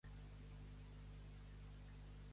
Tot pecat neix d'amar-se a si mateix.